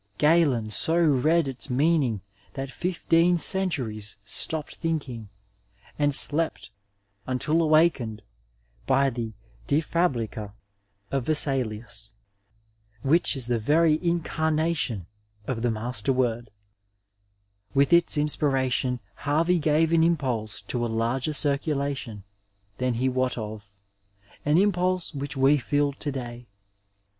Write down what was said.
Galen so i^ead its meaning tha^t fifteen penturies stopped thinking, and slept until awakened by the De Fa 373 Digitized by Google THE MASTER WORD IN MEDICINE brica of Veaalius, which is the very inoamation of the master word. With its inspiration Harvey gave an im pulse to a larger circulation than he wot of, an impulse which we feel to day.